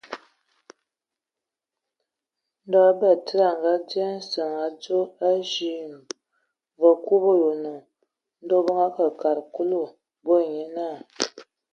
Ndɔ batsidi a ngadzye a nsǝŋ adzo a vyɛɛ̂! Vǝ kul o yonoŋ. Ndɔ bə akǝ kad Kulu, bo ai nye naa.